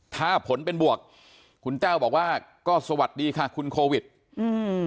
ถ้าผลเป็นบวกคุณแต้วบอกว่าก็สวัสดีค่ะคุณโควิดอืม